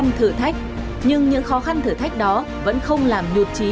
những khó khăn thử thách nhưng những khó khăn thử thách đó vẫn không làm nhụt trí